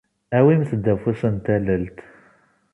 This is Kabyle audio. Awimt-d afus n tallelt